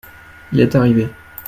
il est arrivé.